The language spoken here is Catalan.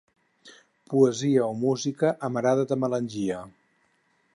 Poesia o música amarada de melangia.